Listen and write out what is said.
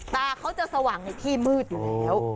ตาเขาจะสว่างในที่มืดอยู่แล้ว